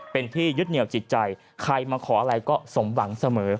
เป็นที่ยึดเหนียวจิตใจใครมาขออะไรก็สมหวังเสมอ